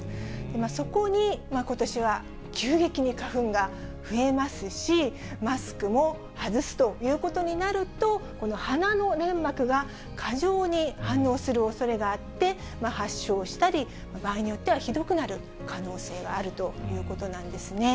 そこにことしは、急激に花粉が増えますし、マスクも外すということになると、この鼻の粘膜が過剰に反応するおそれがあって、発症したり、場合によってはひどくなる可能性があるということなんですね。